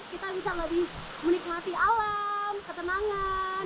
kita bisa lebih menikmati alam ketenangan